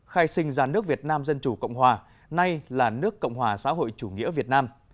khai sinh ra nước việt nam dân chủ cộng hòa nay là nước cộng hòa xã hội chủ nghĩa việt nam